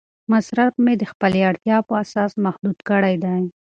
مصرف مې د خپلې اړتیا په اساس محدود کړی دی.